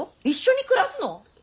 一緒に暮らすの？